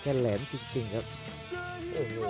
กันต่อแพทย์จินดอร์